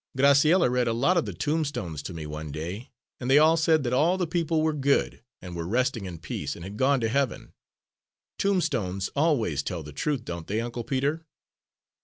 Graciella read a lot of the tombstones to me one day, and they all said that all the people were good, and were resting in peace, and had gone to heaven. Tombstones always tell the truth, don't they, Uncle Peter?"